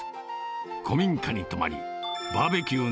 古民家に泊まり、バーベキューな